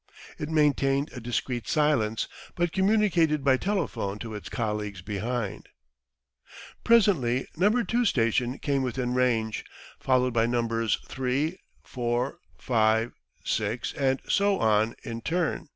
It maintained a discreet silence, but communicated by telephone to its colleagues behind. Presently No. 2 station came within range, followed by Nos. 3, 4, 5, 6, and so on in turn.